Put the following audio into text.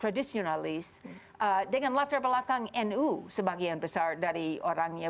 jadi saya menurut saya ada yang tradisionalis dengan latar belakang nu sebagian besar dari orangnya